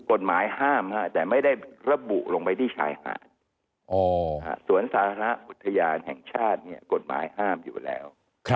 กฎหมายห้ามแต่ไม่ได้ระบุลงไปที่ชายหาดสวนสาธารณะอุทยานแห่งชาติกฎหมายห้ามอยู่แล้ว